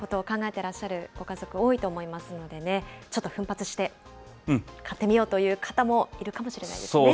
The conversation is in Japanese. てらっしゃるご家族、多いと思いますのでね、ちょっと奮発して買ってみようという方もいるかもしれないですね。